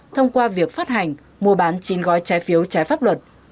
thông qua việc phát hành mua bán chín gói trái phiếu trái pháp luật